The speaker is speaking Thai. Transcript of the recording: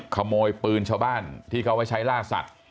ขโมยปืนชาวบ้านที่เขาไว้ใช้ล่าสัตว์